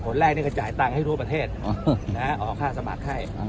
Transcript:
แรกนี่ก็จ่ายตังค์ให้ทั่วประเทศออกค่าสมัครให้